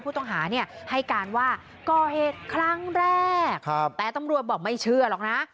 ผู้ต้องหาเนี่ยให้การว่าก่อเหตุครั้งแรกแต่ตำรวจบอกไม่เชื่อหรอกนะ